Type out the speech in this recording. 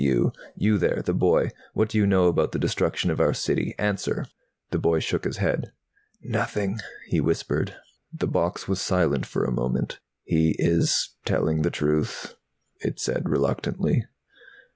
You there, the boy. What do you know about the destruction of our city? Answer!" The boy shook his head. "Nothing," he whispered. The box was silent for a moment. "He is telling the truth," it said reluctantly.